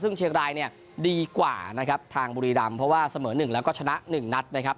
ซึ่งเชียงรายเนี่ยดีกว่านะครับทางบุรีรำเพราะว่าเสมอ๑แล้วก็ชนะ๑นัดนะครับ